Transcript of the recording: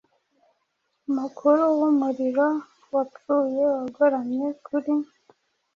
Umukuru wumuriro-wapfuye wagoramye kuri